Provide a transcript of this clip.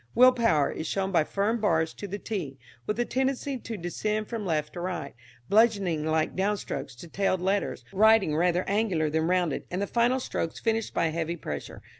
Will power is shown by firm bars to the t, with a tendency to descend from left to right, bludgeon like downstrokes to tailed letters, writing rather angular than rounded, and the final strokes finished by a heavy pressure.